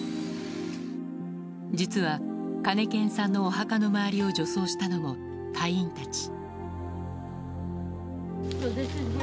実は、兼堅さんのお墓の周りを除草したのも隊員たち。